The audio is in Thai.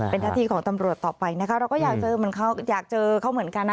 เป็นทฤทธิ์ของตำรวจต่อไปนะครับเราก็อยากเจอเขาเหมือนกันนะ